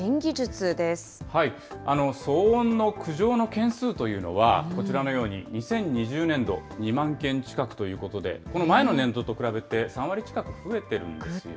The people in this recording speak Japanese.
騒音の苦情の件数というのは、こちらのように２０２０年度、２万件近くということで、この前の年度と比べて３割近く増えてるんですよね。